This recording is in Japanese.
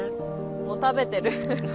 もう食べてる。